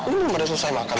aku udah selesai makan